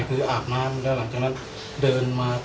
คืออาบน้ำแล้วหลังจากนั้นเดินมา